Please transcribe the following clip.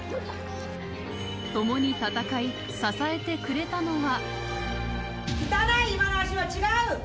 ともに戦い、支えてくれたのは。